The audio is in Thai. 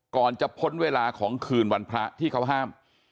ก่อนจะพ้นเวลาของคืนวันพระที่เขาห้าม